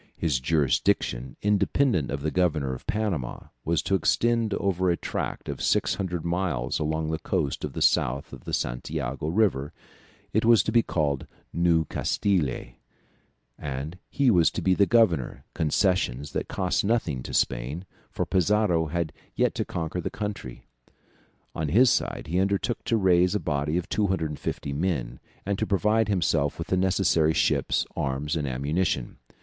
His jurisdiction, independent of the governor of Panama, was to extend over a tract of 600 miles along the coast to the south of the Santiago river; it was to be called New Castille, and he was to be the governor; concessions that cost nothing to Spain, for Pizarro had yet to conquer the country. On his side he undertook to raise a body of 250 men, and to provide himself with the necessary ships, arms, and ammunition.